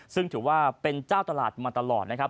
ซึ่งถือว่าเป็นเจ้าตลาดมาตลอดนะครับ